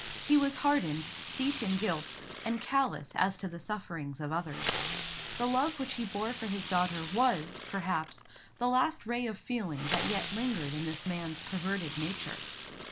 He was hardened, steeped in guilt, and callous as to the sufferings of others. The love which he bore for his daughter was, perhaps, the last ray of feeling that yet lingered in this man's perverted nature.